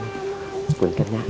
semoga tidak ada masalahnya